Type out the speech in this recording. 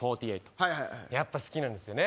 はいはいはいやっぱ好きなんですよね